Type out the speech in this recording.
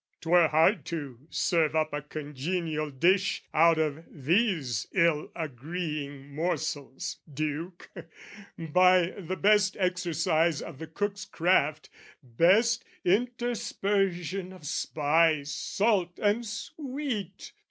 'Twere hard to serve up a congenial dish Out of these ill agreeing morsels, Duke, By the best exercise of the cook's craft, Best interspersion of spice, salt and sweet!